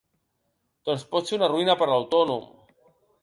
Doncs pot ser una ruïna per a l’autònom.